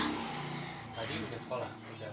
tadi udah sekolah